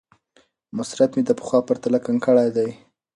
مصرف مې د پخوا په پرتله کم کړی دی.